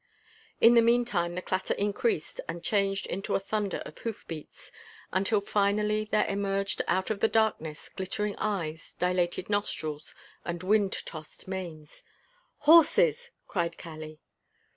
In the meantime the clatter increased and changed into a thunder of hoof beats until finally there emerged out of the darkness glittering eyes, dilated nostrils, and wind tossed manes. "Horses!" cried Kali.